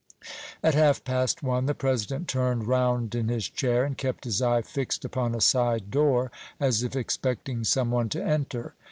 At half past one the President turned round in his chair, and kept his eye fixed upon a side door, as if expecting some one to enter.